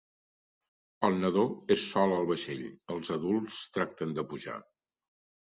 El nadó és sol al vaixell, els adults tracten de pujar…